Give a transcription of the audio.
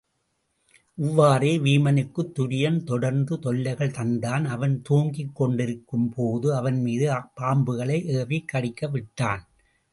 இவ்வாறே வீமனுக்குத் துரியன் தொடர்ந்து தொல்லைகள் தந்தான் அவன் துங்கிக் கொண்டிருக்கும்போது அவன் மீது பாம்புகளை ஏவிக் கடிக்கவிட்டான்.